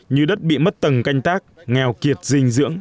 như đất bị mất tầng canh tác nghèo kiệt dinh dưỡng